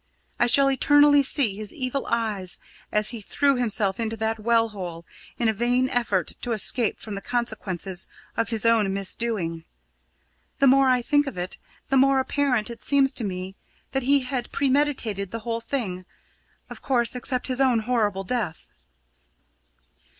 I shall eternally see his evil eyes as he threw himself into that well hole in a vain effort to escape from the consequences of his own misdoing. The more I think of it, the more apparent it seems to me that he had premeditated the whole thing of course, except his own horrible death.